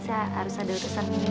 saya harus ada urusan mimpi